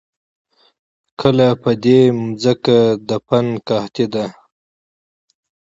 کله په دې زمکه د فن قحطي ده